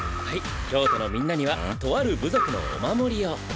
はい京都のみんなにはとある部族のお守りを。